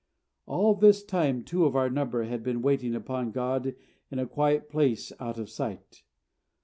All this time two of our number had been waiting upon God in a quiet place out of sight.